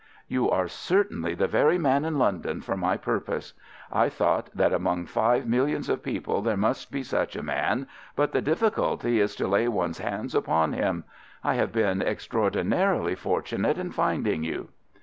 "You are certainly the very man in London for my purpose. I thought that among five millions of people there must be such a man, but the difficulty is to lay one's hands upon him. I have been extraordinarily fortunate in finding you."